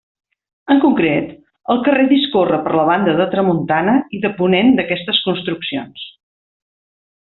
En concret, el carrer discorre per la banda de tramuntana i de ponent d'aquestes construccions.